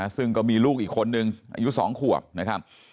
ซึ่งก็มีลูกอีกคนนึงอายุ๒ขวบนะครับ